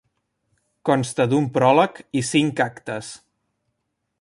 Consta d'un pròleg i cinc actes.